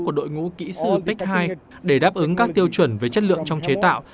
của đội ngũ kỹ sư pecc hai để đáp ứng các tiêu chuẩn với chất lượng trong chế tạo